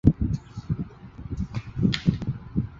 策勒蒲公英为菊科蒲公英属下的一个种。